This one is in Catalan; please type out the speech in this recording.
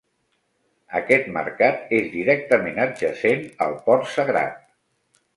Aquest mercat és directament adjacent al port sagrat.